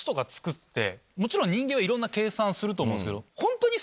もちろん人間はいろんな計算すると思うけど。